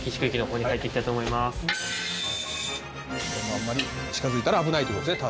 あんまり近づいたら危ないという事ですね。